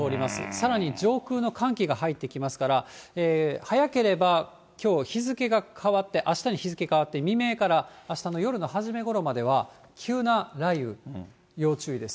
さらに上空の寒気が入ってきますから、早ければきょう日付が変わって、あしたに日付変わって未明からあしたの夜の初めごろまでは急な雷雨、要注意です。